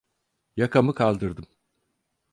Yakamı kaldırdım.